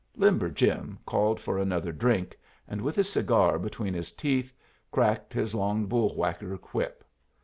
Limber Jim called for another drink and, with his cigar between his teeth, cracked his long bull whacker whip.